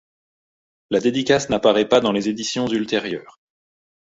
La dédicace n'apparaît pas dans les éditions ultérieures.